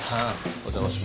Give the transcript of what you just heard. お邪魔します。